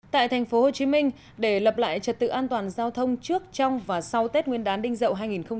tại thành phố hồ chí minh để lập lại trật tự an toàn giao thông trước trong và sau tết nguyên đán đinh dậu hai nghìn một mươi bảy